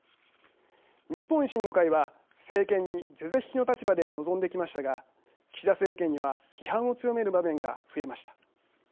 日本維新の会は政権に是々非々の立場で臨んできましたが岸田政権には批判を強める場面が増えました。